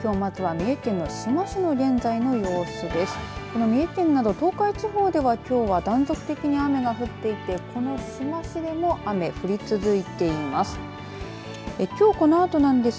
三重県など東海地方ではきょうは断続的に雨が降っていてこの志摩市でも雨、降り続いています。